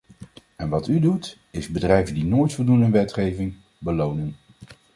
En wat u doet, is bedrijven die nooit voldoen aan wetgeving, belonen.